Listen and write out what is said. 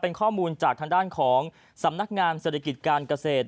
เป็นข้อมูลจากทางด้านของสำนักงานเศรษฐกิจการเกษตร